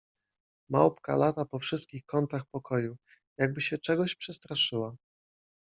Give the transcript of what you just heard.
— Małpka lata po wszystkich kątach pokoju, jakby się czegoś przestraszyła.